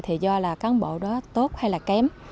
thì do là cán bộ đó tốt hay là kém